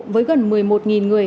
với gần một mươi một người